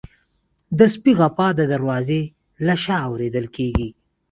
د سپي غپا د دروازې له شا اورېدل کېږي.